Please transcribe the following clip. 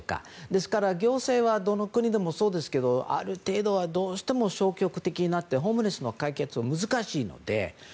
ですから、行政はどの国でもそうですけどある程度はどうしても消極的になってホームレスの解決は難しいので。